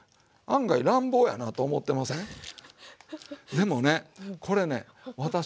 でもねこれね私ね